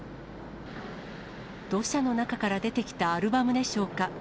土砂の中から出てきたアルバムでしょうか。